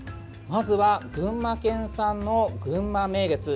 まずは群馬県産の、ぐんま名月。